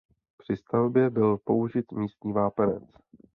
Při stavbě byl použit místní vápenec.